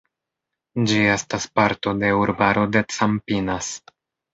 Ĝi estas parto de urbaro de Campinas.